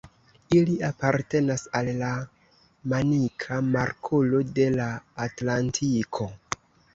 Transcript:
Ili apartenas al la Manika Markolo de la Atlantiko.